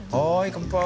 乾杯！